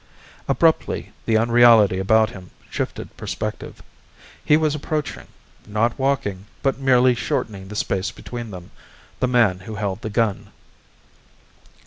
Abruptly the unreality about him shifted perspective. He was approaching not walking, but merely shortening the space between them the man who held the gun.